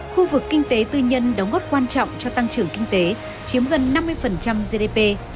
khu vực kinh tế tư nhân đóng góp quan trọng cho tăng trưởng kinh tế chiếm gần năm mươi gdp